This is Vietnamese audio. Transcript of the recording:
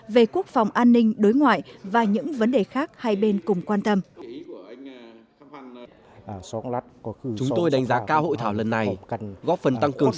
về quốc phòng an ninh đối ngoại và những vấn đề khác hai bên cùng quan tâm